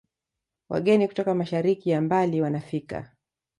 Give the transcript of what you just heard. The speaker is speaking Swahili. Wageni kutoka mashariki ya mbali wanafika